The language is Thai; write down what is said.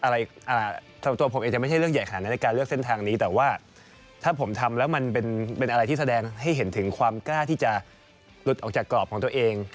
ส่วนตัวผมเองจะไม่ใช่เรื่องใหญ่ขนาดนั้นในการเลือกเส้นทางนี้แต่ว่าถ้าผมทำแล้วมันเป็นอะไรที่แสดงให้เห็นถึงความกล้าที่จะหลุดออกจากกรอบของตัวเอง